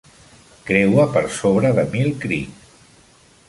Creua per sobre de Mill Creek.